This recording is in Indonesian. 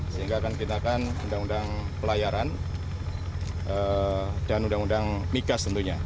sehingga akan dikenakan undang undang pelayaran dan undang undang migas tentunya